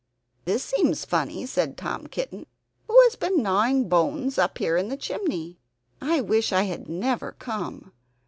"This seems funny," said Tom Kitten. "Who has been gnawing bones up here in the chimney? I wish I had never come!